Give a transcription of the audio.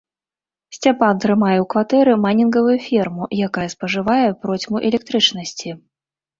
Сцяпан трымае ў кватэры майнінгавую ферму, якая спажывае процьму электрычнасці.